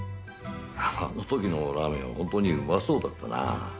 あの時のラーメンは本当にうまそうだったなあ。